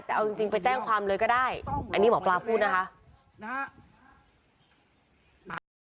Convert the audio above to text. แต่เอาจริงไปแจ้งความเลยก็ได้อันนี้หมอปลาพูดนะคะ